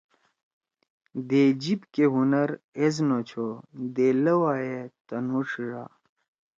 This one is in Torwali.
دے جیِب کے ہُونر ایس نہ چھو، دے لؤا ئے تُنُو ڇھیِڙا